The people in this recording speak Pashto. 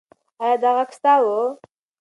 ایا دا غږ ستا و؟